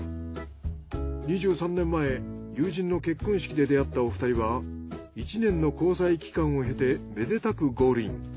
２３年前友人の結婚式で出会ったお二人は１年の交際期間を経てめでたくゴールイン。